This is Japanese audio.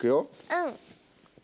うん。